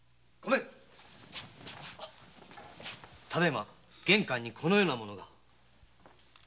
ただいま玄関にこのようなものが。